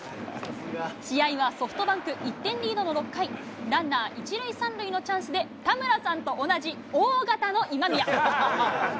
試合はソフトバンク１点リードの６回、ランナー１塁３塁のチャンスで、田村さんと同じＯ型の今宮。